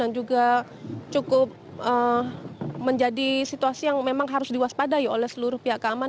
yang juga cukup menjadi situasi yang memang harus diwaspadai oleh seluruh pihak keamanan